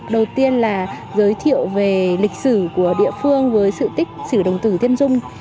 đầu tiên là giới thiệu về lịch sử của địa phương với sự tích sử đồng tử thiên dung